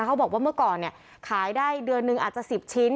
เขาบอกว่าเมื่อก่อนเนี่ยขายได้เดือนหนึ่งอาจจะ๑๐ชิ้น